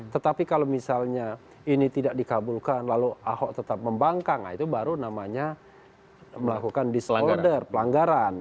tetapi kalau misalnya ini tidak dikabulkan lalu ahok tetap membangkang nah itu baru namanya melakukan disorder pelanggaran